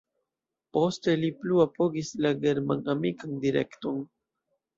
Poste li plu apogis la german-amikan direkton.